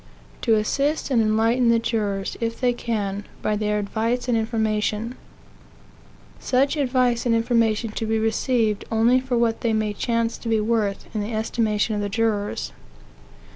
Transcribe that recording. To assist and enlighten the jurors, if they can, by their advice and information; such advice and information to be received only for what they may chance to be worth in the estimation of the jurors.